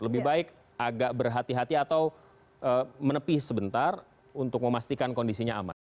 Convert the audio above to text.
lebih baik agak berhati hati atau menepi sebentar untuk memastikan kondisinya aman